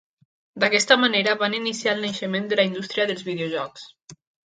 D'aquesta manera van iniciar el naixement de la indústria dels videojocs.